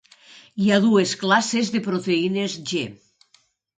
Hi ha dues classes de proteïnes G.